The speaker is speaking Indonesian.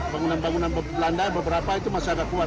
bangunan bangunan belanda beberapa itu masih agak kuat